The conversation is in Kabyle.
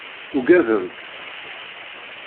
Uggaden-t.